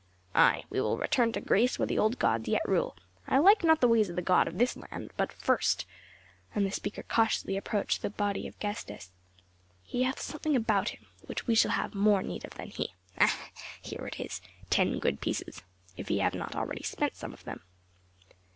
"Ay! we will return to Greece where the old gods yet rule; I like not the ways of the god of this land; but first " And the speaker cautiously approached the body of Gestas. "He hath something about him, which we shall have more need of than he. Ah! here it is, ten good pieces if he have not already spent some of them."